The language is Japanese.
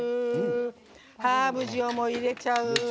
ハーブ塩も入れちゃう。